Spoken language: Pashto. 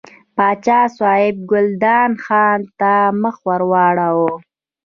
پاچا صاحب ګلداد خان ته مخ ور واړاوه.